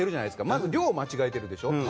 まず量を間違えてるでしょ。